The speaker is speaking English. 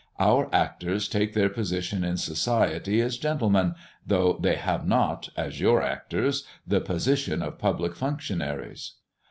Our actors take their position in society as gentlemen, though they have not, as your actors, the 'position of public functionaries.'